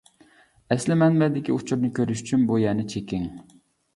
ئەسلى مەنبەدىكى ئۇچۇرنى كۆرۈش ئۈچۈن بۇ يەرنى چېكىڭ.